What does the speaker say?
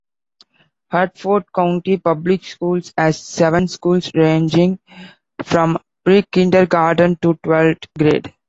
Hertford County Public Schools has seven schools ranging from pre-kindergarten to twelfth grade.